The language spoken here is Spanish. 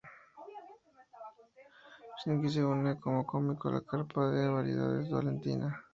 Shilinsky se une como cómico a la carpa de variedades Valentina.